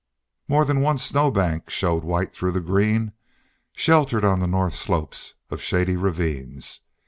More than one snow bank showed white through the green, sheltered on the north slopes of shady ravines.